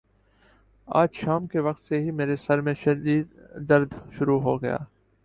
آج شام کے وقت سے ہی میرے سر میں شدد درد شروع ہو گیا۔